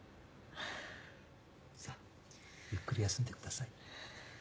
さあゆっくり休んでください。